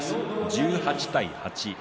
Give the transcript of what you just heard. １８対８。